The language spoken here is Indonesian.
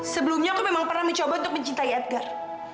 sebelumnya aku memang pernah mencoba untuk mencintai edgar